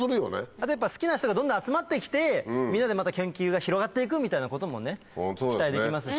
あと好きな人がどんどん集まってきてみんなでまた研究が広がっていくみたいなことも期待できますし。